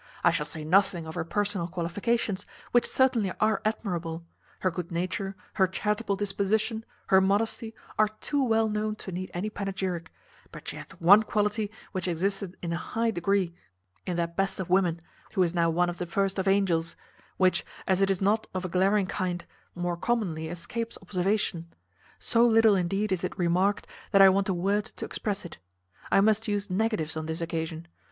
I shall say nothing of her personal qualifications, which certainly are admirable; her good nature, her charitable disposition, her modesty, are too well known to need any panegyric: but she hath one quality which existed in a high degree in that best of women, who is now one of the first of angels, which, as it is not of a glaring kind, more commonly escapes observation; so little indeed is it remarked, that I want a word to express it. I must use negatives on this occasion.